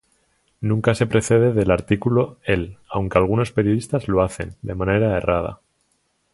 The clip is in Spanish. Nunca se precede del artםculo "El", aunque algunos periodistas lo hacen, de manera errada.